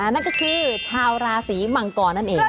นั่นก็คือชาวราศีมังกรนั่นเอง